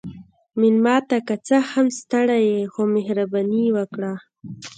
مېلمه ته که څه هم ستړی يې، خو مهرباني وکړه.